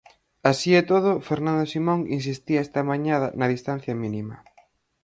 Así e todo, Fernando Simón insistía esta mañá na distancia mínima.